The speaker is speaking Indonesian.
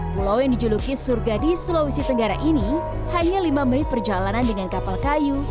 pulau yang dijuluki surga di sulawesi tenggara ini hanya lima menit perjalanan dengan kapal kayu